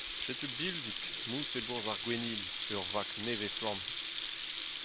Setu Bilzig mous e bourzh ar Gwennili, ur vag nevez-flamm.